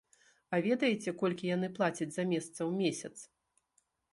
А ведаеце, колькі яны плацяць за месца ў месяц?